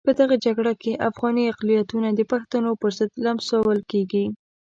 په دغه جګړه کې افغاني اقلیتونه د پښتنو پرضد لمسول کېږي.